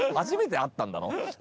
初めて会ったんだろ？